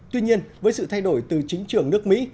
tuy nhiên với sự thay đổi từ chính trường nước mỹ